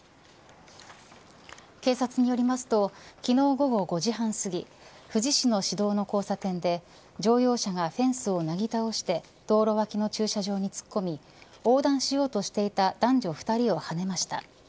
警察によりますと昨日、午後５時半すぎ富士市の市道の交差点で乗用車がフェンスをなぎ倒して道路脇の駐車場に突っ込み横断しようとしていた男女２人をはねました。